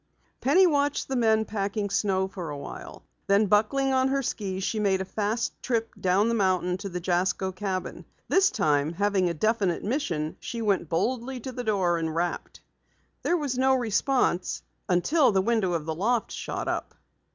Penny watched the men packing snow for awhile. Then buckling on her skis, she made a fast trip down the mountain to the Jasko cabin. This time, having a definite mission, she went boldly to the door and rapped. There was no response until the window of the loft shot up.